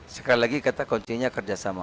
sekali lagi kata kuncinya kerjasama